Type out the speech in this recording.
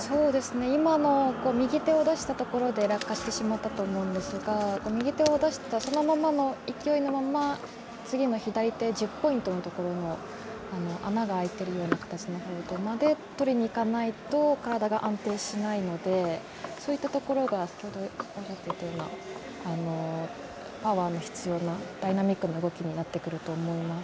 今の右手を出したところで落下してしまったと思うんですですが右手を出した勢いのまま次の左手１０ポイントのところの穴が開いている形になっていましたが取りにいかないと体が安定しないのでそういったところがパワーも必要なダイナミックな動きになってくると思います。